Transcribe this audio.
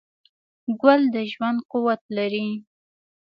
ګل د ژوند قوت لري.